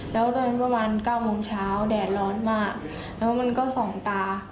แล้วตอนนั้นประมาณ๙โมงเช้าแดดร้อนมากแล้วมันก็ส่องตา